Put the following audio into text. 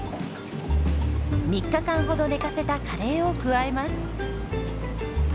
３日間ほど寝かせたカレーを加えます。